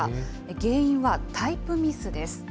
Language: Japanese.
原因はタイプミスです。